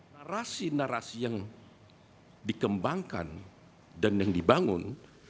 narasi narasi yang dikembangkan dan yang dibangun